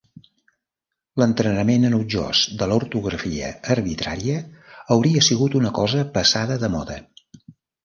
L'entrenament enutjós de l'ortografia arbitrària hauria sigut una cosa passada de moda.